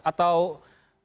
atau seperti ini